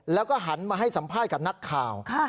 แล้วก็หันมาให้สัมภาษณ์กับนักข่าว